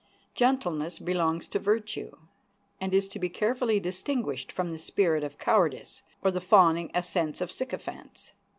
Gentleness belongs to virtue, and is to be carefully distinguished from the spirit of cowardice or the fawning assents of sycophants.